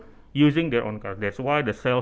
tetap menggunakan kendaraan mereka sendiri